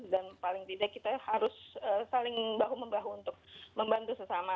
dan paling tidak kita harus saling bahu membahu untuk membantu sesama